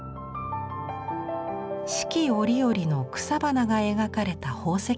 四季折々の草花が描かれた宝石箪笥。